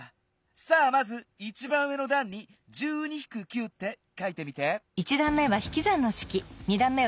さあまずいちばんうえのだんに「１２−９」ってかいてみて。